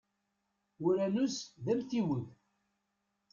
Uranus d amtiweg.